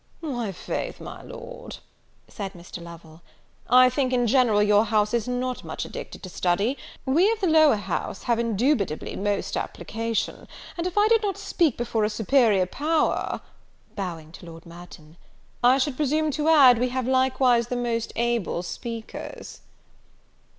"Why, faith, my Lord," said Mr. Lovel, "I think, in general, your House is not much addicted to study; we of the Lower House have indubitably most application; and, if I did not speak before a superior power (bowing to Lord Merton) I should presume to add, we have likewise the most able speakers."